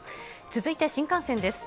続いて新幹線です。